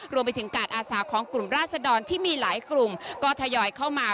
รวมไปถึงการอาสาของกลุ่มราศดรที่มีหลายกลุ่มก็ทยอยเข้ามา